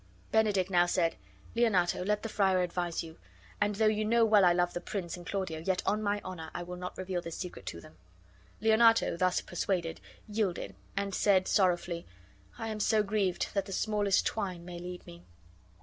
Benedick now said, "Leonato, let the friar advise you; and though you know how well I love the prince and Claudio, yet on my honor I will not reveal this secret to them." Leonato, thus persuaded, yielded; and he said, sorrowfully, "I am so grieved that the smallest twine may lead me."